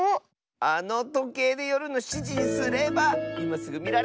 あのとけいでよるの７じにすればいますぐみられるッス！